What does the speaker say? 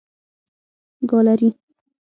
ګالري